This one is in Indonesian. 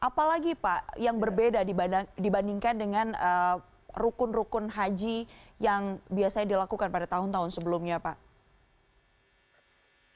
apalagi pak yang berbeda dibandingkan dengan rukun rukun haji yang biasanya dilakukan pada tahun tahun sebelumnya pak